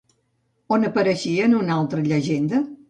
On apareixia en una altra llegenda?